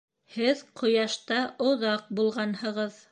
Һеҙ ҡояшта оҙаҡ булғанһығыҙ